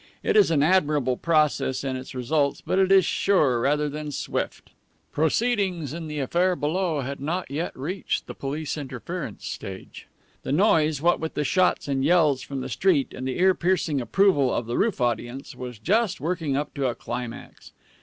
It is an admirable process in its results, but it is sure rather than swift. Proceedings in the affair below had not yet reached the police interference stage. The noise, what with the shots and yells from the street and the ear piercing approval of the roof audience, was just working up to a climax.